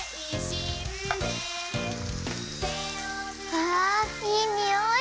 わあいいにおい。